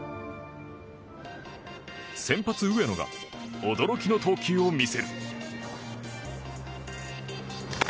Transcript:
先発、上野が驚きの投球を見せる。